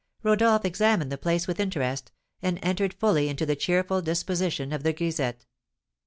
Rodolph examined the place with interest, and entered fully into the cheerful disposition of the grisette.